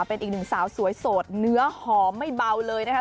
เป็นอีกหนึ่งสาวสวยโสดเนื้อหอมไม่เบาเลยนะคะ